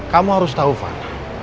kamu harus tau van